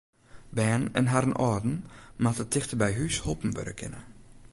Bern en harren âlden moatte tichteby hús holpen wurde kinne.